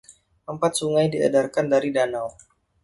Empat sungai diedarkan dari danau.